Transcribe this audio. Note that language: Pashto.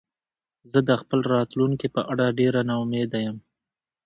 زه د خپل راتلونکې په اړه ډېره نا امیده یم